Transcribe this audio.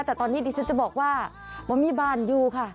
แต่ตอนนี้ที่สุดจะบอกว่ามันมีบ้านอยู่ค่ะ